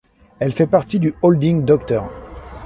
Elle fait partie du holding Dr.